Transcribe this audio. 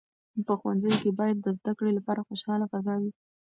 په ښوونځیو کې باید د زده کړې لپاره خوشاله فضا وي.